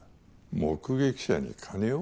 目撃者に金を？